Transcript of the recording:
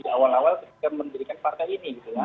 awal awal ketika mendirikan partai ini